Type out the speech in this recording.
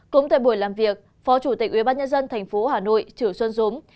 cũng tại buổi làm việc phó chủ tịch ubnd tp hà nội chử xuân dũng